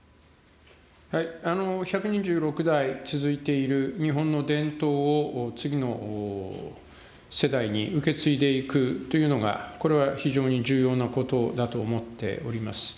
１２６代続いている日本の伝統を、次の世代に受け継いでいくというのが、これは非常に重要なことだと思っております。